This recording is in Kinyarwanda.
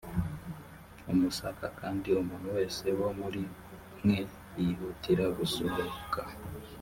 umusaka kandi umuntu wese wo muri mwe yihutira gusohoka